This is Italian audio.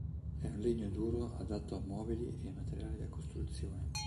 È un legno duro adatto a mobili e a materiale da costruzione.